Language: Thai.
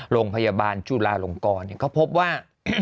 โรงพยาบาลจุลาลงกรเขาพบว่า